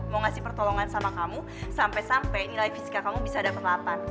mau ngasih pertolongan sama kamu sampe sampe nilai fisika kamu bisa dapet delapan